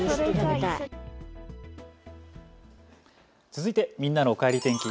続いてみんなのおかえり天気